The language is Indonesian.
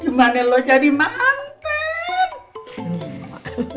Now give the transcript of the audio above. dimana lo jadi mantan